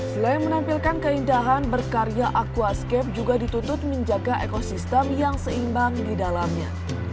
selain menampilkan keindahan berkarya aquascape juga dituntut menjaga ekosistem yang seimbang di dalamnya